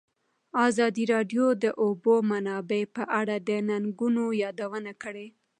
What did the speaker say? ازادي راډیو د د اوبو منابع په اړه د ننګونو یادونه کړې.